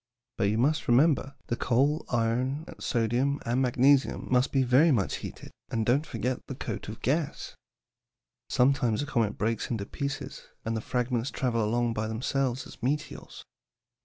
"But you must remember the coal, iron, sodium, and magnesium must be very much heated, and don't forget the coat of gas. Sometimes a comet breaks into pieces, and the fragments travel along by themselves as meteors."